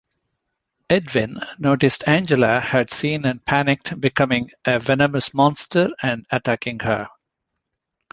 Edwin noticed Angela had seen and panicked becoming a venomous monster and attacking her.